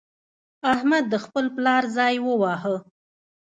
احمد د خپل پلار ځای وواهه.